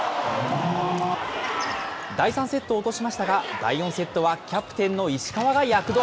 第３セットを落としましたが、第４セットはキャプテンの石川が躍動。